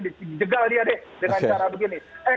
dijegal dia deh dengan cara begini eh